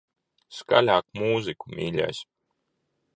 Skaļāk mūziku, mīļais.